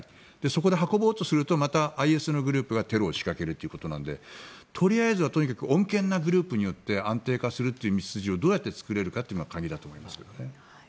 そこで運ぼうとするとまたＩＳのグループがテロを仕掛けるということなのでとりあえずは穏健なグループによって安定化するという道筋をどうやって作れるかが鍵だと思いますね。